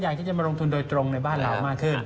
ที่จะมาลงทุนโดยตรงในบ้านเรามากขึ้น